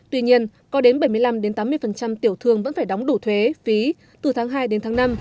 tuy nhiên có đến bảy mươi năm tám mươi tiểu thương vẫn phải đóng đủ thuế phí từ tháng hai đến tháng năm